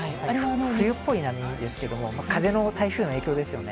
冬っぽい波ですけれども、風の台風の影響ですよね。